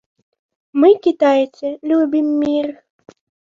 Мы, кітайцы, любім мір.